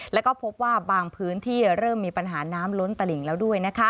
แล้วก็พบว่าบางพื้นที่เริ่มมีปัญหาน้ำล้นตลิ่งแล้วด้วย